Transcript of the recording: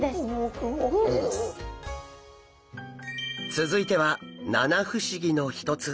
続いては七不思議の一つ